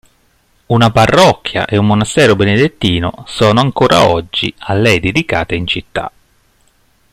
Una parrocchia e un monastero benedettino sono ancora oggi a lei dedicate in città.